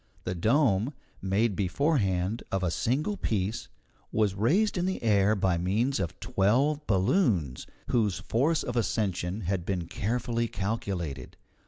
The dome, made beforehand of a single piece, was raised in the air by means of twelve balloons, whose force of ascension had been carefully calculated.